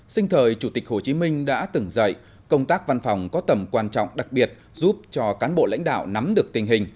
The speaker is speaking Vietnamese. sinh thời chủ tịch hồ chí minh đã từng dạy công tác văn phòng có tầm quan trọng đặc biệt giúp cho cán bộ lãnh đạo nắm được tình hình